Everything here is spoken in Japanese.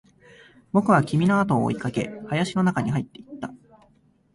僕は君のあとを追いかけ、林の中に入っていった